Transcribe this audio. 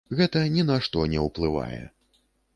Гэта ні на што не ўплывае.